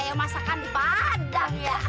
kayak masakan di bandang ya